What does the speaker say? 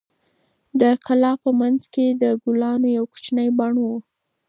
د کلا په منځ کې د ګلانو یو کوچنی بڼ و.